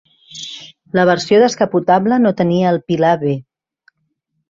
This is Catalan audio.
La versió descapotable no tenia el pilar B.